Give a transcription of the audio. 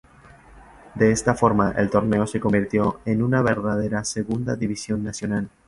De esta forma, el torneo se convirtió en una verdadera Segunda División Nacional.